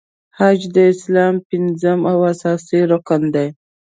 حج د اسلام پنځم او اساسې رکن دی .